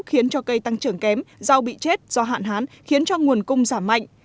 khiến cho cây tăng trưởng kém rau bị chết do hạn hán khiến cho nguồn cung giảm mạnh